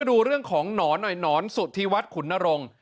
ดูเรื่องของหนอนหน่อยหนอนสุธิวัฒน์ขุนนรงค์